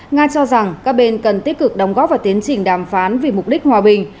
nga cho rằng các bên cần tích cực đóng góp vào tiến trình đàm phán vì mục đích hòa bình